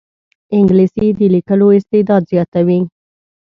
انګلیسي د لیکلو استعداد زیاتوي